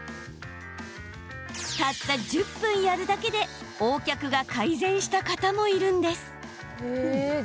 たった１０分やるだけでＯ脚が改善した方もいるんです。